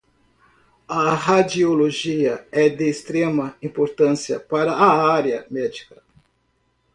A radiologia é de extrema importância para a área médica